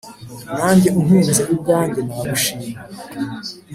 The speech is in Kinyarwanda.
nanjye ukunze ubwanjye nagushima,